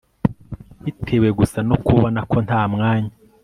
bitewe gusa no kubona ko nta mwanya